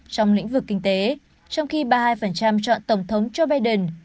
trong lĩnh vực kinh tế trong khi ba mươi hai chọn tổng thống joe biden